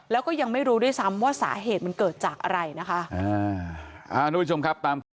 แล้วก็ยังไม่รู้ด้วยซ้ำว่าสาเหตุมันเกิดจากอะไรนะคะ